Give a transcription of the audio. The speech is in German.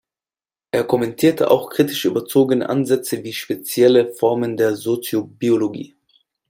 Er kommentierte auch kritisch überzogene Ansätze wie spezielle Formen der Soziobiologie.